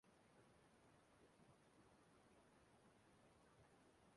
Ụlọọrụ Ahụike Mba Ụwa